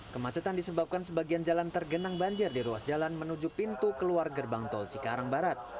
kemacetan disebabkan sebagian jalan tergenang banjir di ruas jalan menuju pintu keluar gerbang tol cikarang barat